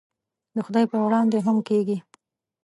د خدای په وړاندې هم کېږي.